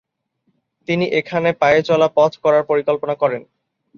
তিনি এখানে পায়ে চলা পথ করার পরিকল্পনা করেন।